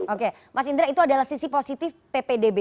oke mas indra itu adalah sisi positif ppdb